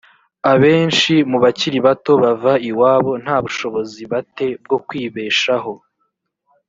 abenshi mu bakiri bato bava iwabo nta bushobozi ba te bwo kwibeshaho